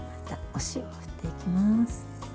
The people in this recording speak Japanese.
お塩を振っていきます。